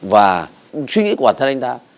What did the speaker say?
và suy nghĩ của bản thân anh ta